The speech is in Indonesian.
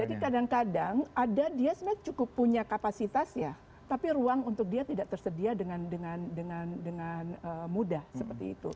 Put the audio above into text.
jadi kadang kadang ada dia sebenarnya cukup punya kapasitas ya tapi ruang untuk dia tidak tersedia dengan mudah seperti itu